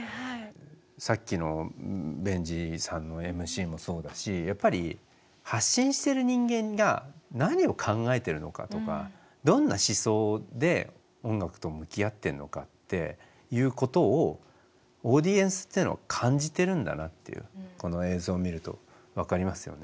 さっきのベンジーさんのＭＣもそうだしやっぱり発信してる人間が何を考えてるのかとかどんな思想で音楽と向き合ってんのかっていうことをオーディエンスっていうのは感じてるんだなっていうこの映像を見ると分かりますよね。